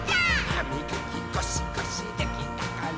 「はみがきゴシゴシできたかな？」